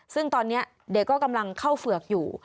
ซึ่งตอนนี้เด็กก็กำลังเข้าเฝือกอยู่